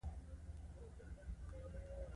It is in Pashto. هغوی چې کاتولیک مذهب منلی و مصیبت سره مخ شول.